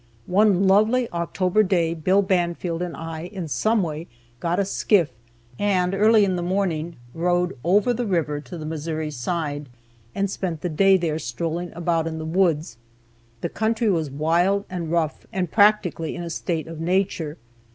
One lovely October day Bill Banfield and I in some way got a skiff, and early in the morning rowed over the river to the Missouri side, and spent the day there, strolling about in the woods. The country was wild and rough, and practically in a state of nature.